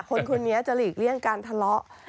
คนคนนี้จะหลีกเลี่ยงการทะเลาะ